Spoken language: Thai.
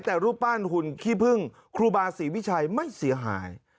แต่รูปปั้นหุ่นขี้พึ่งครูบาศรีวิชัยไม่เสียหาย